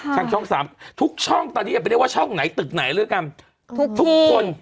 ทั้งช่อง๓ทุกช่องตอนนี้ไม่ได้ว่าช่องไหนตึกไหนแล้วกันทุกคน